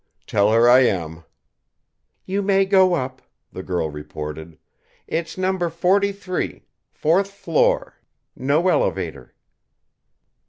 "Tell her I am." "You may go up," the girl reported. "It's Number Forty three, fourth floor no elevator."